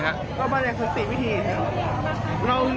เรามาในสังติวิธีนะครับ